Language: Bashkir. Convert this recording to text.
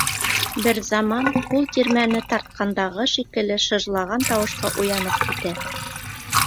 Бер заман ҡул тирмәне тартҡандағы шикелле шыжлаған тауышҡа уянып китә.